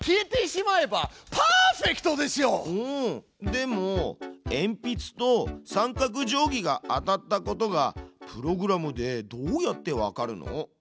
でもえんぴつと三角定規が当たったことがプログラムでどうやってわかるの？